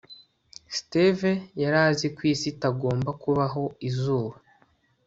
steve yari azi ko isi itagomba kubaho izuba